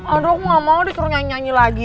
aduh aku gak mau disuruh nyanyi nyanyi lagi